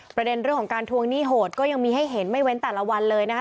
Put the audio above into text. ประเด็นเรื่องของการทวงหนี้โหดก็ยังมีให้เห็นไม่เว้นแต่ละวันเลยนะคะ